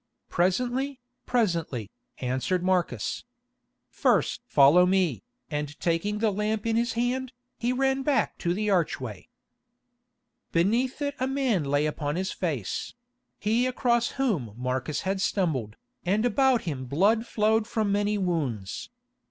"Presently, presently," answered Marcus. "First follow me," and taking the lamp in his hand, he ran back to the archway. Beneath it a man lay upon his face—he across whom Marcus had stumbled, and about him blood flowed from many wounds.